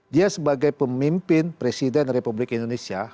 dia sebagai pemimpin presiden republik indonesia